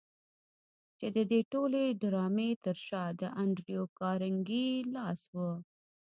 چې د دې ټولې ډرامې تر شا د انډريو کارنګي لاس و.